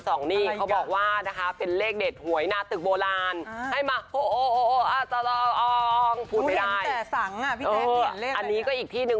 ซื้อได้แต่ซื้อพอจำกวน๑๐บาท๒๐บาทซื้อสรุปปรุง